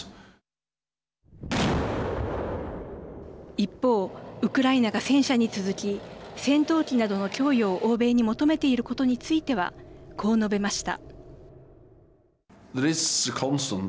一方、ウクライナが戦車に続き戦闘機などの供与を欧米に求めていることについてはこう述べました。